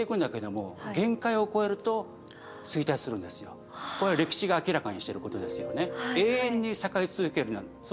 あとやっぱりこれは歴史が明らかにしてることですよね。